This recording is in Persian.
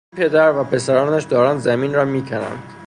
این پدر و پسرانش دارند زمین را می کنند.